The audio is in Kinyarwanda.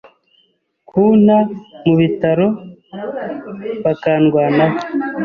kunta mu bitaro bakandwanaho